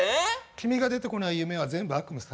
君が出てこない夢は全部悪夢さ。